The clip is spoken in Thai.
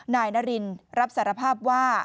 นายนารินรับสารภาพว่า